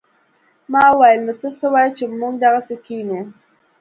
ما وويل نو ته څه وايې چې موږ دغسې کښينو.